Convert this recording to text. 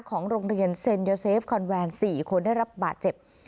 ของโรงเรียนเซ็นยาเซฟคอนแวน๔คนได้รับบาดเจ็บ